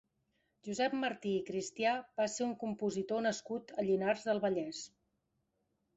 Josep Martí i Cristià va ser un compositor nascut a Llinars del Vallès.